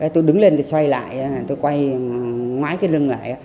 tôi đứng lên thì xoay lại tôi quay ngái cái lưng lại